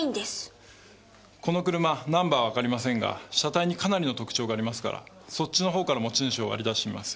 この車ナンバーはわかりませんが車体にかなりの特徴がありますからそっちのほうから持ち主を割り出してみます。